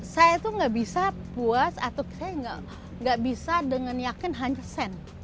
saya itu nggak bisa puas atau saya nggak bisa dengan yakin hanya sen